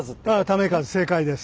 為和正解です。